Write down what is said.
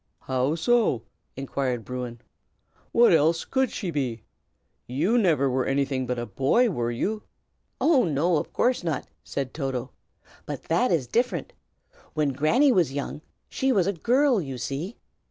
"How so?" inquired Bruin. "What else could she be? You never were anything but a boy, were you?" "Oh, no, of course not!" said Toto. "But that is different. When Granny was young, she was a girl, you see."